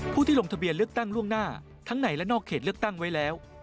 ที่ลงทะเบียนเลือกตั้งล่วงหน้าทั้งในและนอกเขตเลือกตั้งไว้แล้ว